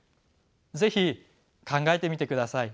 是非考えてみてください。